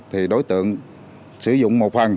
thì đối tượng sử dụng một phần